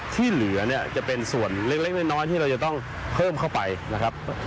ที่เหลือเนี่ยจะเป็นส่วนเล็กน้อยที่เราจะต้องเพิ่มเข้าไปนะครับ